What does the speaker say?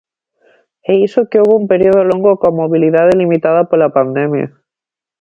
E iso que houbo un período longo coa mobilidade limitada pola pandemia.